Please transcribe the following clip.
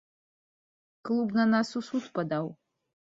Клуб на нас у суд падаў.